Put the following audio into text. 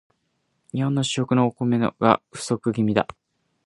日本の主食のお米が不足気味だ